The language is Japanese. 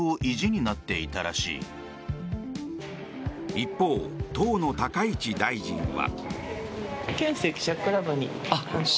一方、当の高市大臣は。